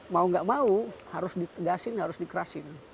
mau gak mau harus ditegaskan harus dikeraskan